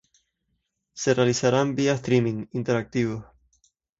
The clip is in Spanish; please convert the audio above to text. Se realizarán vía Streaming, interactivos.